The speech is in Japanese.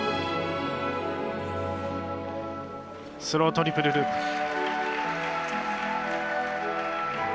スロートリプルループ。